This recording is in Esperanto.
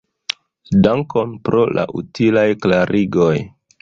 Dankon pro la utilaj klarigoj.